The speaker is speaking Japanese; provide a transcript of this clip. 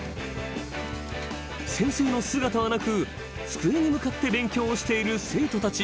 ［先生の姿はなく机に向かって勉強をしている生徒たちだけ］